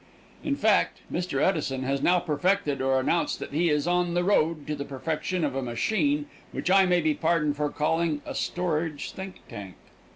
In fact, Mr. Edison has now perfected, or announced that he is on the road to the perfection of, a machine which I may be pardoned for calling a storage think tank.